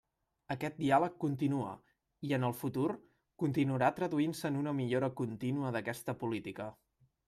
Aquest diàleg continua i, en el futur, continuarà traduint-se en una millora contínua d'aquesta política.